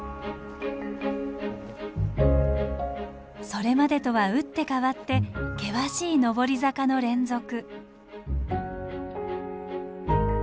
それまでとは打って変わって険しい上り坂の連続。